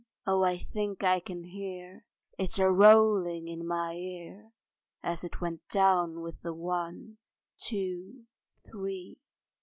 Oh I think I can hear It a rolling in my ear, As it went with the One, Two, Three.